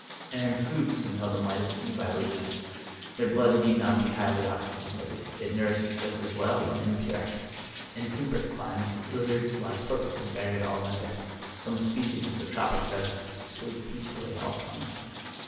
Air and food seem held in light esteem by lizards. Their blood need not be highly oxygenated ; it nourishes just as well when im pure. In temperate climes lizards lie torpid and buried all winter { some species of the tropic deserts sleep peacefully all summer.